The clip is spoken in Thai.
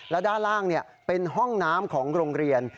และด้านล่างเป็นห้องน้ำของโรงเรียน